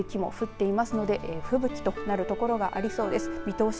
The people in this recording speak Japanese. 雪も降っていますので吹雪となる所がありそうです。